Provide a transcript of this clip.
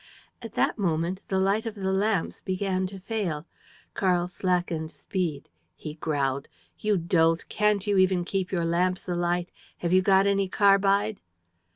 At that moment, the light of the lamps began to fail. Karl slackened speed. He growled: "You dolt, can't you even keep your lamps alight? Have you got any carbide?"